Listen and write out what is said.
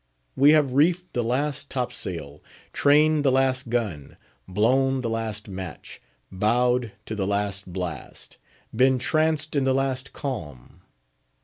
We have reefed the last top sail; trained the last gun; blown the last match; bowed to the last blast; been tranced in the last calm.